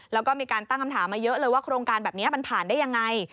แล้วก็มีการตั้งคำถามมาเยอะเลยว่าโครงการแบบนี้มันผ่านได้ยังไง